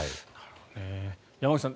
山口さん